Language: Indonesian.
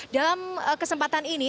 dalam kesempatan ini